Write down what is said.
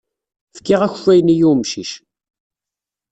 Fkiɣ akeffay-nni i wemcic.